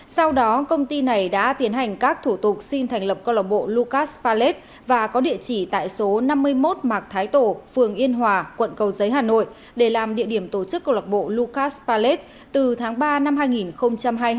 sau đó công ty này đã tiến hành các thủ tục xin thành lập cơ lộc bộ lucas palette và có địa chỉ tại số năm mươi một mạc thái tổ phường yên hòa quận cầu giấy hà nội để làm địa điểm tổ chức cơ lộc bộ lucas palette từ tháng ba năm hai nghìn hai mươi hai